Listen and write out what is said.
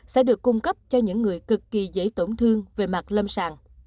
sẽ được cung cấp cho những người cực kỳ dễ tổn thương về mặt lâm sàng